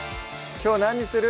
きょう何にする？